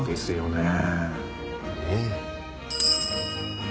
ねえ。